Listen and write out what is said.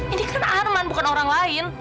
ini kan arman bukan orang lain